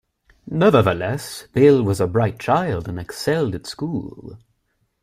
Nevertheless, Bill was a bright child, and excelled at school.